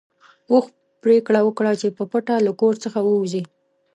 اوښ پرېکړه وکړه چې په پټه له کور څخه ووځي.